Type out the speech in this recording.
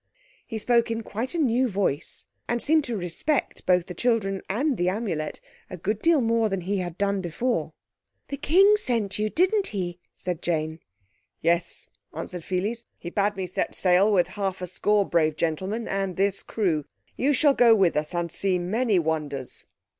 He spoke in quite a new voice, and seemed to respect both the children and the Amulet a good deal more than he had done before. "The King sent you, didn't he?" said Jane. "Yes," answered Pheles, "he bade me set sail with half a score brave gentlemen and this crew. You shall go with us, and see many wonders."